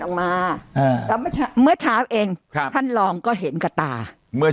ออกมาอ่าเมื่อเช้าเองครับท่านลองก็เห็นกระตาเมื่อ